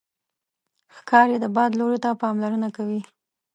ښکاري د باد لوري ته پاملرنه کوي.